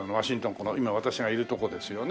この今私がいるとこですよね。